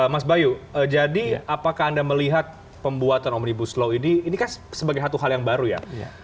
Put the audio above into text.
mas bayu jadi apakah anda melihat pembuatan omnibus law ini ini kan sebagai satu hal yang baru ya